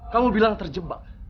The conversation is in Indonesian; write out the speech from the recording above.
kamu bilang terjebak